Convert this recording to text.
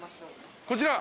こちら。